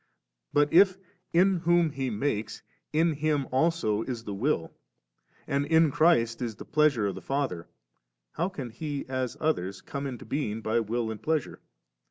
* But i^ in whom He makes, in Him also is the will, and in Christ is the pleasure of the Father, how can He, as others, come into being by will and pleasure?